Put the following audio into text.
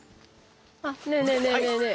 あっねえねえねえねえねえ。